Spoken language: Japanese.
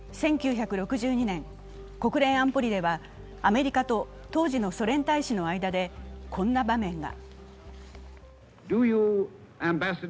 １９６２年、国連安保理ではアメリカと当時のソ連大使の間でこんな場面が。